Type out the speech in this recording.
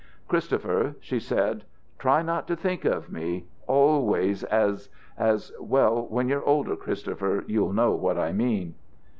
"Christopher," she said, "try not to think of me always as as well, when you're older, Christopher, you'll know what I mean."